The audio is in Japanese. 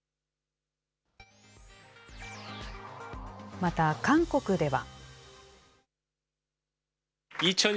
また、韓国では。